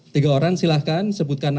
tiga orang silahkan sebutkannya